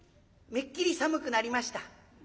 めっきり寒くなりました。